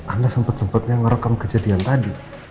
anda sempet sempetnya ngerekam kejadian tadi